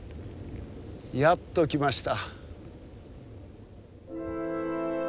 やっと来ました。